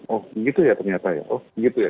oh begitu ya ternyata ya oh begitu ya